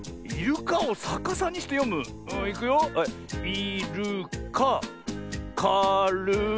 い・る・かか・る・い。